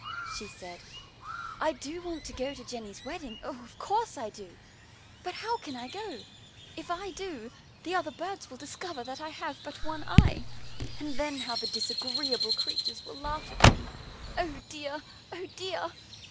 she said, "I do want to go to Jenny's wedding, oh, of course I do! But how can I go? If I do, the other birds will discover that I have but one eye, and then how the disagreeable creatures will laugh at me. Oh dear, oh dear!